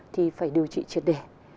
thì phải điều trị triệt để